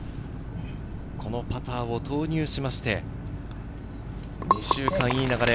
このパターを投入しまして、２週間いい流れ。